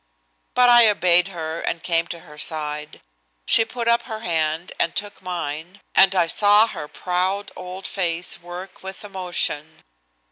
But I obeyed her and came to her side. She put up her hand and took mine, and I saw her proud old face work with emotion.